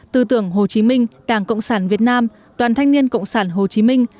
tư tưởng hồ chí minh đảng cộng sản việt nam đoàn thanh niên cộng sản hồ chí minh